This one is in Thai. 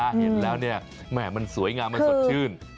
ถ้าเห็นแล้วเนี่ยแหม่มันสวยงามมันสดชื่น